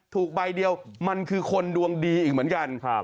ถูกใบเดียวมันคือคนดวงดีอีกเหมือนกัน